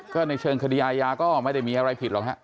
ก็ในเชิงคดีอาญาก็ไม่ได้มีอะไรผิดหรอกฮะ